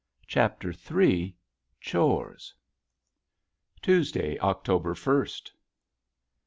CHAPTER III CHORES Tuesday, October first.